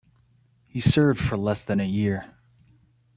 He served for less than a year.